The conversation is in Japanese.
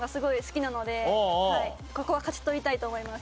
ここは勝ち取りたいと思います。